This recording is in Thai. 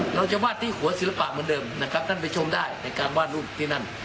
เราจะวาดที่หัวศิลปะเหมือนเดิมนะครับท่านไปชมได้ในการวาดรูปที่นั่น